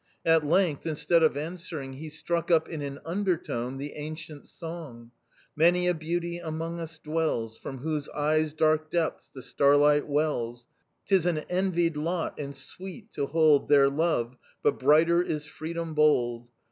At length, instead of answering, he struck up in an undertone the ancient song: "Many a beauty among us dwells From whose eyes' dark depths the starlight wells, 'Tis an envied lot and sweet, to hold Their love; but brighter is freedom bold.